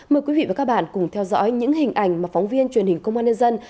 mời quý vị và các bạn cùng theo dõi những hình ảnh mà phóng viên truyền hình công an nhân dân